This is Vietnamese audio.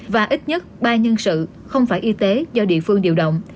và ít nhất ba nhân sự không phải y tế do địa phương điều động